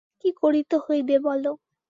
কী করিতে হইবে, বলো।